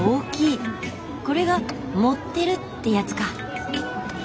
これが「盛ってる」ってやつか。